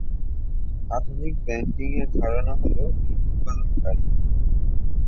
আধুনিক ব্যাংকিং এর ধারণা হল, ঋণ উৎপাদনকারী।